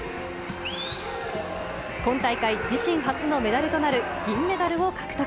今大会、自身初のメダルとなる、銀メダルを獲得。